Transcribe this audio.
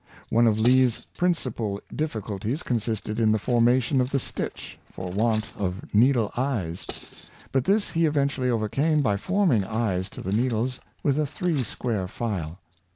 One of Lee's principal difficulties consisted in the formation of the stitch, for want of needle eyes; but this he eventually overcame by forming eyes to the needles with a three square file.